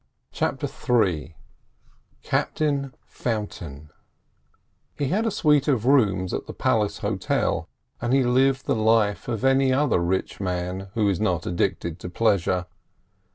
CHAPTER III CAPTAIN FOUNTAIN He had a suite of rooms at the Palace Hotel, and he lived the life of any other rich man who is not addicted to pleasure.